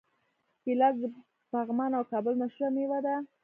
ګیلاس د پغمان او کابل مشهوره میوه ده.